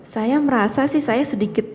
saya merasa sih saya sedikit